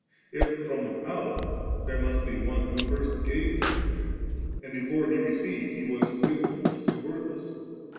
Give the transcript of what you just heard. If from without, there must be one who first gave to Him, and before He received He was wis dom less and word less.